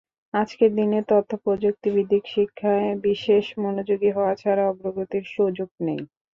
আজকের দিনে তথ্যপ্রযুক্তিভিত্তিক শিক্ষায় বিশেষ মনোযোগী হওয়া ছাড়া অগ্রগতির সুযোগ নেই।